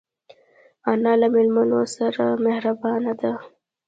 انا له مېلمنو سره مهربانه ده